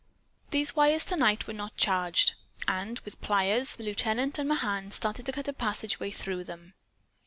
These wires, to night, were not charged. And, with pliers, the lieutenant and Mahan started to cut a passageway through them.